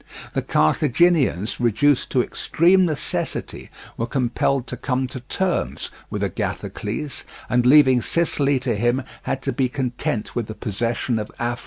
The Carthaginians, reduced to extreme necessity, were compelled to come to terms with Agathocles, and, leaving Sicily to him, had to be content with the possession of Africa.